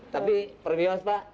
tapi perbias pak